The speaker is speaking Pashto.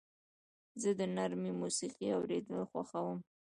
زه د نرمې موسیقۍ اورېدل خوښوم.